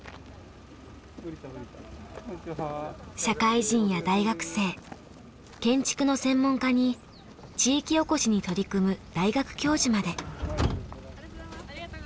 社会人や大学生建築の専門家に地域おこしに取り組む大学教授まで。